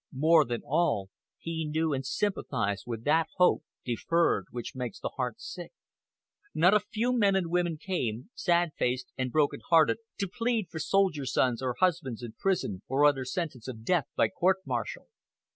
More than all, he knew and sympathized with that hope deferred which makes the heart sick. Not a few men and women came, sad faced and broken hearted, to plead for soldier sons or husbands in prison, or under sentence of death by court martial.